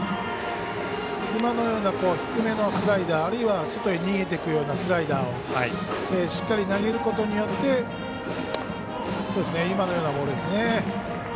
今のような、低めのスライダーあるいは外へ逃げていくようなスライダーをしっかり投げることによって今のようなボールですね。